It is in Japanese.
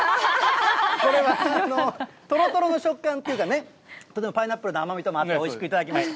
これは、とろとろの食感っていうかね、とてもパイナップルの甘みともあって、おいしくいただきました。